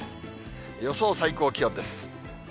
予想最高気温です。